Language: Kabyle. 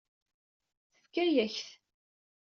Tefka-yak-t.